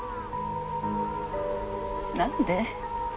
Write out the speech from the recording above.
何で？